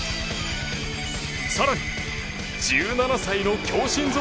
更に１７歳の強心臓